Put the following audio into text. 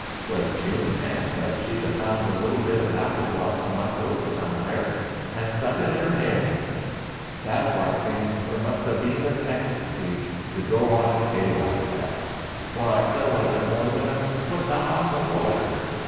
'Twas June then, but she'd afound a little bit of apple blossom left over somewheres, and stuck et in 'er '.ir. That's why I thinks 'er must abeen in an extarsy, to go to et gay, like that. Why! there wasn't more than a fute and 'arf o' watter.